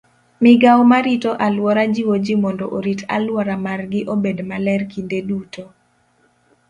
Migao marito aluora jiwo ji mondo orit alwora margi obed maler kinde duto.